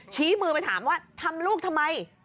ชี้มือไปถามว่าทำลูกทำไม